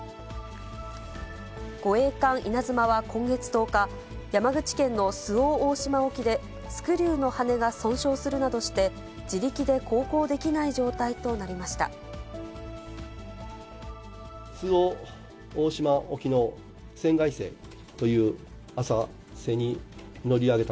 護衛艦いなづまは今月１０日、山口県の周防大島沖で、スクリューの羽根が損傷するなどして、自力で航行できない状態となりました。